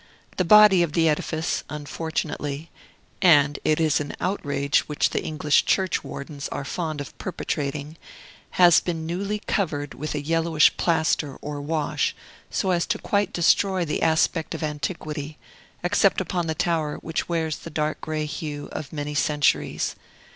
The body of the edifice, unfortunately (and it is an outrage which the English church wardens are fond of perpetrating), has been newly covered with a yellowish plaster or wash, so as quite to destroy the aspect of antiquity, except upon the tower, which wears the dark gray hue of many centuries.